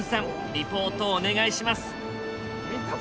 リポートお願いします！